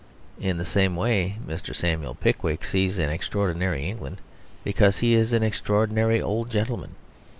In the same way Mr. Samuel Pickwick sees an extraordinary England because he is an ordinary old gentleman.